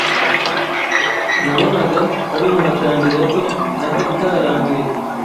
nabonaga karumuna kanjye gato nako karanduye